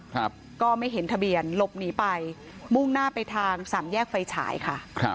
ครับก็ไม่เห็นทะเบียนหลบหนีไปมุ่งหน้าไปทางสามแยกไฟฉายค่ะครับ